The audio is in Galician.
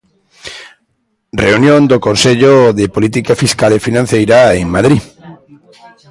Reunión do Consello de Política Fiscal e Financeira en Madrid.